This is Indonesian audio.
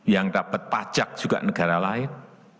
yang dapat pajak juga negara lain